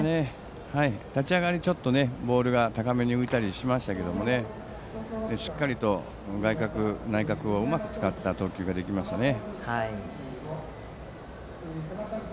立ち上がりはちょっとボールが高めに浮いたりしましたがしっかりと外角、内角をうまく使った投球ができましたね。